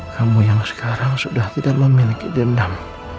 kamu yang sekarang sudah tidak memiliki dendam